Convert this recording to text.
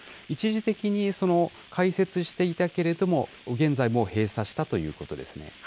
一時的に開設していたけれども、現在もう閉鎖したということですね。